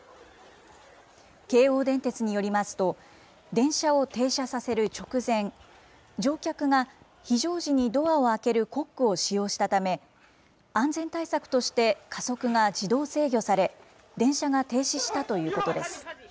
京王電鉄によりますと、電車を停車させる直前、乗客が、非常時にドアを開けるコックを使用したため、安全対策として加速が自動制御され、電車が停止したということです。